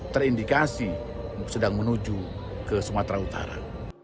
terindikasi sedang menuju ke sumatera utara